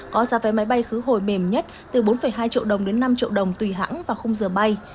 có giá vé máy bay khứ hồi mềm nhất từ bốn hai triệu đồng đến năm triệu đồng tùy hãng và không giờ bay